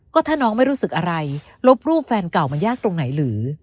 ก็ถ้าน้องไม่รู้สึกอะไรลบรูปแฟนเก่ามันยากตรงไหนหรือ